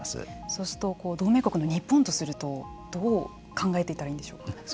そうすると同盟国の日本とするとどう考えていったらいいんでしょうか。